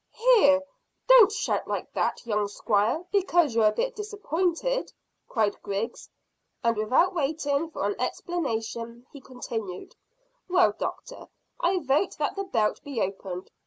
"Here, don't shout like that, young squire, because you're a bit disappointed," cried Griggs; and without waiting for an explanation, he continued, "Well, doctor, I vote that the belt be opened.